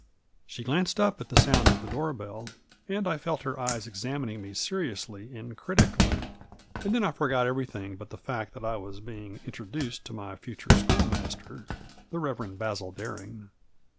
She glanced up at the sound of the door bell, and I Digitized by VjOOQIC MABJORT. 85 felt her eyes examining me Beriously and critically, and then I forgot everything bnt the fact that I was being introduced to my future schoolmaster, the Eev. Basil Bering.